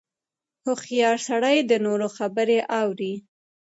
• هوښیار سړی د نورو خبرې اوري.